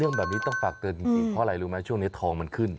เรื่องแบบนี้ต้องฝากเตือนจริงเพราะอะไรรู้ไหมช่วงนี้ทองมันขึ้น